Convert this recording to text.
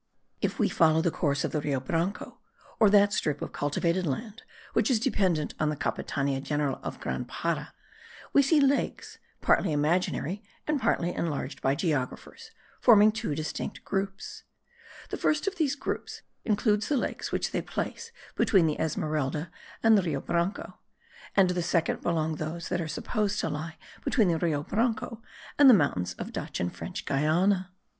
If we follow the course of the Rio Branco, or that strip of cultivated land which is dependent on the Capitania General of Grand Para, we see lakes, partly imaginary and partly enlarged by geographers, forming two distinct groups. The first of these groups includes the lakes which they place between the Esmeralda and the Rio Branco; and to the second belong those that are supposed to lie between the Rio Branco and the mountains of Dutch and French Guiana.